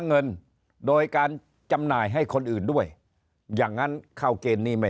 เงินโดยการจำหน่ายให้คนอื่นด้วยอย่างนั้นเข้าเกณฑ์นี้ไม่